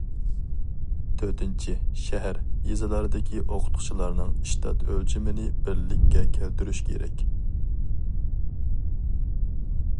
تۆتىنچى، شەھەر، يېزىلاردىكى ئوقۇتقۇچىلارنىڭ ئىشتات ئۆلچىمىنى بىرلىككە كەلتۈرۈش كېرەك.